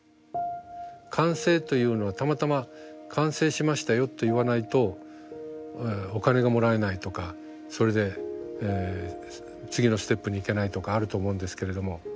完成というのはたまたま「完成しましたよ」と言わないとお金がもらえないとかそれで次のステップにいけないとかあると思うんですけれども。